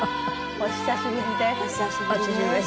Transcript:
お久しぶりです。